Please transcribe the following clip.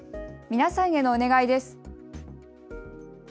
皆さんへのお願いです。